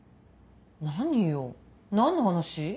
何よ何の話？